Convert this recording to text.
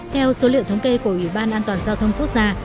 theo số liệu thống kê của ủy ban an toàn giao thông quốc gia